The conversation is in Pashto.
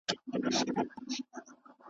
زه دا نه وایم چي .